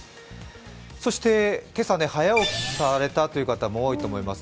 そして今朝、早起きされた方も多いと思います。